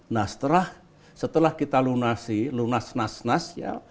nah setelah kita lunas nasni